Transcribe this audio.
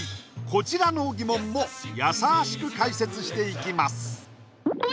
こちらの疑問もやさしく解説していきます